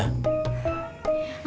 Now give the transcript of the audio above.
kamu dari semalam main handphone aja